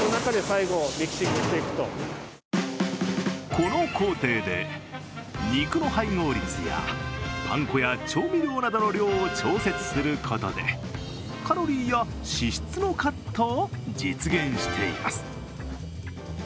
この工程で肉の配合率やパン粉や調味料などの量を調節することでカロリーや脂質のカットを実現しています。